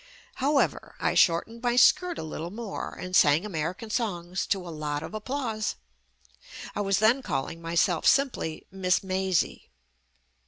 However, I shortened my skirt a little more and sang American songs to a lot of applause. I was then calling myself simply "Miss Mazie."